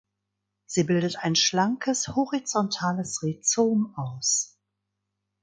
Sie bildet ein schlankes horizontales Rhizom aus.